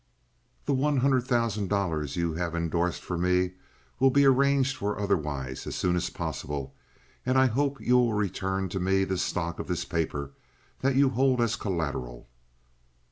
The one hundred thousand dollars you have indorsed for me will be arranged for otherwise as soon as possible, and I hope you will return to me the stock of this paper that you hold as collateral.